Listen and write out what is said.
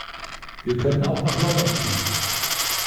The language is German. Wir können auch nach London fliegen.